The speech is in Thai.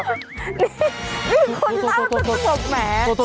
นี่นี่คุณเล่าเถอะแหม